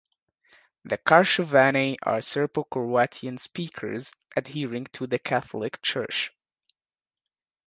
The Krashovani are Serbo-Croatian speakers adhering to the Catholic Church.